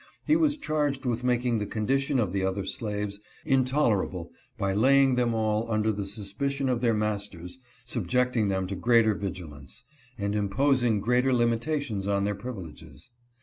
He was charged with making the condition of the other slaves intolerable by laying them all under the suspicion of their masters — subjecting them to greater vigilance, and imposing greater limitations on their privileges.